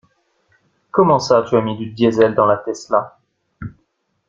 Comment ça tu as mis du diesel dans la Tesla?!